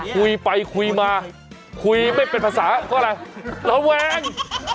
คุยไปคุยมาคุยไม่เป็นภาษาเพราะอะไรระแวง